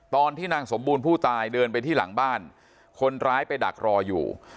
ตอนที่นางสมบูรณ์ผู้ตายเดินไปที่หลังบ้านคนร้ายไปดักรออยู่